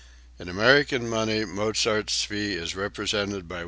[In American money Mozart's fee is represented by $1.